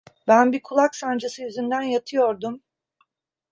Ben bir kulak sancısı yüzünden yatıyordum.